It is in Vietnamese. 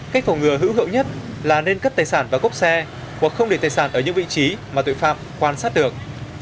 không để tài sản ở những vị trí mà tội phạm quan sát được